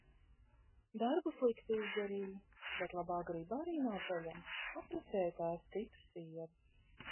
Darbu slikti izdarīji. Bet labā griba arī nav peļama. Apprecēja tēvs citu sievu...